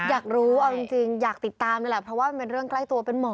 อยากรู้เอาจริงอยากติดตามเลยแหละเพราะว่ามันเป็นเรื่องใกล้ตัวเป็นหมอ